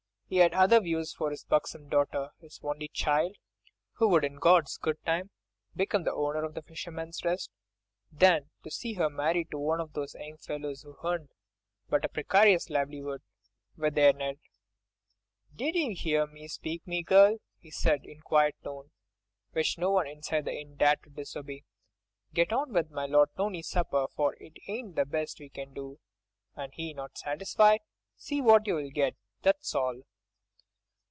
He had other views for his buxom daughter, his only child, who would in God's good time become the owner of "The Fisherman's Rest," than to see her married to one of these young fellows who earned but a precarious livelihood with their net. "Did ye hear me speak, me girl?" he said in that quiet tone, which no one inside the inn dared to disobey. "Get on with my Lord Tony's supper, for, if it ain't the best we can do, and 'e not satisfied, see what you'll get, that's all."